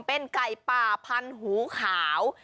เป็นไก่ป่าพันหูขาว